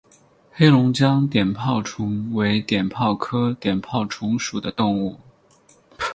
黑龙江碘泡虫为碘泡科碘泡虫属的动物。